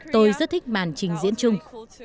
tôi rất thích màn trình diễn chung